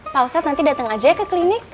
pak ustadz nanti dateng aja ke klinik